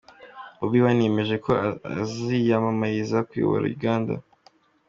Okema yavuze ko ibizami byo kwa muganga byerekanye ko uyu mwana yasambanyijwe.